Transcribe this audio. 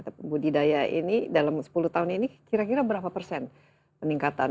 pembudidaya ini dalam sepuluh tahun ini kira kira berapa persen peningkatan